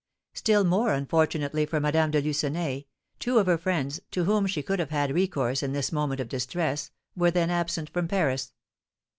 Still more unfortunately for Madame de Lucenay, two of her friends, to whom she could have had recourse in this moment of distress, were then absent from Paris.